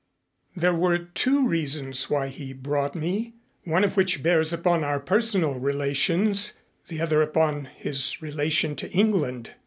There were two reasons why he brought me, one of which bears upon our personal relations, the other upon his relation to England.